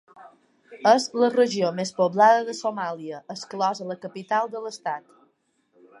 És la regió més poblada de Somàlia exclosa la capital de l'estat.